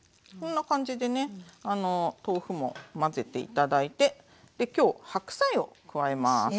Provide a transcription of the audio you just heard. こんな感じでね豆腐も混ぜて頂いてで今日白菜を加えます。